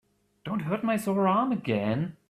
Don't hurt my sore arm again.